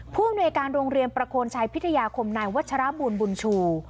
ผู้อำนวยการโรงเรียนประโคนชัยพิทยาคมนายวัชรบูลบุญชู